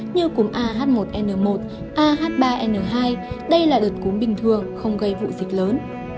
như cúm a h một n một a h ba n hai đây là đợt cúm bình thường không gây vụ dịch lớn